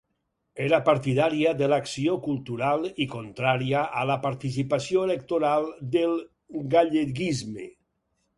Era partidària de l'acció cultural i contrària a la participació electoral del galleguisme.